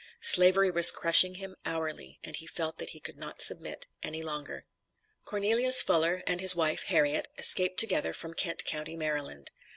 Slavery was crushing him hourly, and he felt that he could not submit any longer. Cornelius Fuller, and his wife, Harriet, escaped together from Kent county, Maryland.